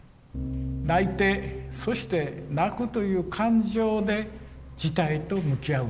泣いてそして泣くという感情で事態と向き合う。